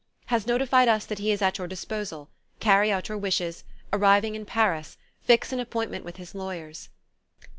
"Has notified us that he is at your disposal... carry out your wishes... arriving in Paris... fix an appointment with his lawyers...."